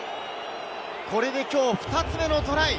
これできょう２つ目のトライ。